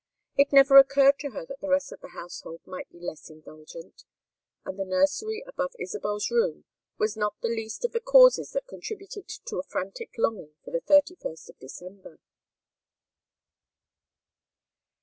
It never occurred to her that the rest of the household might be less indulgent; and the nursery above Isabel's room was not the least of the causes that contributed to a frantic longing for the thirty first of December.